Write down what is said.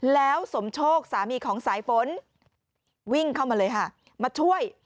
แล้วสมโชคสามีของสายฝนวิ่งเข้ามาเลยค่ะมาช่วย